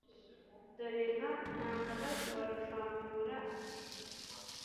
dore nka ntambabazi wa rufangura ati: ”